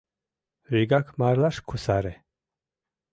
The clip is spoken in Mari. Вигак марлаш кусаре!